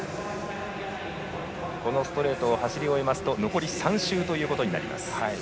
このストレートを走り終えますと残り３周となります。